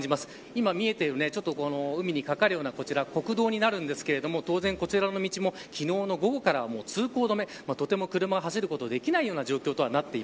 今見えている、海にかかるような国道ですが当然こちらの道も昨日の午後から通行止めでとても車が走ることができないような状況です。